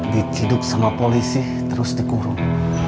diciduk sama polisi terus dikurung